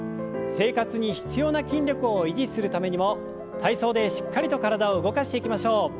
生活に必要な筋力を維持するためにも体操でしっかりと体を動かしていきましょう。